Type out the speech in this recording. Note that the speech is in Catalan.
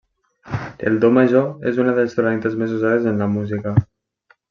El do major és una de les tonalitats més usades en la música.